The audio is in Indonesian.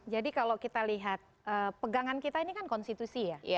jadi kalau kita lihat pegangan kita ini kan konstitusi ya